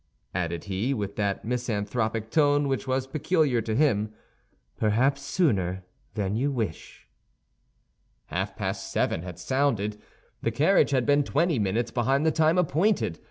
added he, with that misanthropic tone which was peculiar to him, "perhaps sooner than you wish." Half past seven had sounded. The carriage had been twenty minutes behind the time appointed.